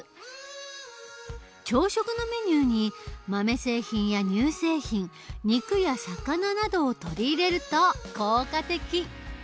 朝食のメニューに豆製品や乳製品肉や魚などを取り入れると効果的。